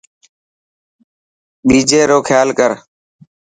ٻيجي رو کيال ڪر.